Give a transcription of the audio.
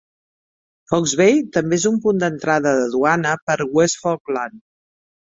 Fox Bay també és un punt d'entrada de duana per West Falkland.